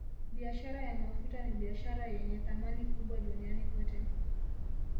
Biashara ya mafuta ni biashara yenye thamani kubwa duniani kote